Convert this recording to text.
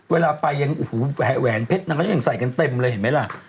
เวลาไปยังโอ้โหแหวนเพชรนางก็ยังใส่กันเต็มเลยเห็นไหมล่ะ